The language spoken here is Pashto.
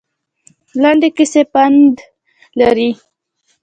لنډې کیسې پند لري